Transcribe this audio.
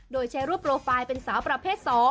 โดยใช้รูปโปรไฟล์เป็นสาวประเภท๒